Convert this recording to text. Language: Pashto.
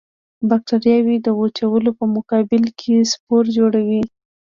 بکټریاوې د وچوالي په مقابل کې سپور جوړوي.